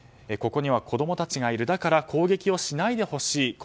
ここには子供たちがいるだから攻撃をしないでほしい。